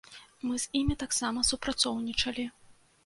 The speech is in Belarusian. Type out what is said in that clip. Мы з імі таксама супрацоўнічалі.